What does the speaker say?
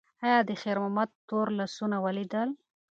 ایا تا د خیر محمد تور لاسونه ولیدل؟